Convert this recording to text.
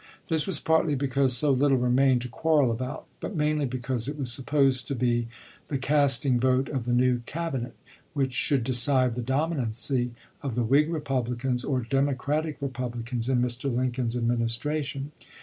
This was partly be cause so little remained to quarrel about, but mainly because it was supposed to be the casting vote of the new Cabinet, which should decide the dominancy of the Whig Republicans or Democratic Republicans in Mr. Lincoln's Administration.